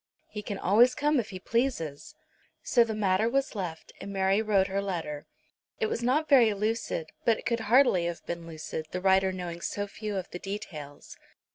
He can always come if he pleases." So the matter was left, and Mary wrote her letter. It was not very lucid; but it could hardly have been lucid, the writer knowing so few of the details.